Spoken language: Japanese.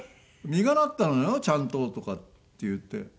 「実がなったのよちゃんと」とかって言って。